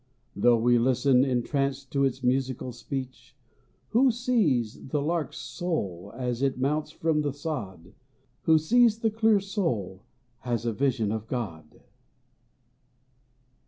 Though we listen entranced to its musical speech; Who sees the lark's soul as it mounts from the sod, Who sees the clear soul has a vision of God!